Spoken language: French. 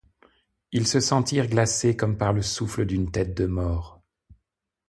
Ils se sentirent glacés comme par le souffle d'une tête de mort.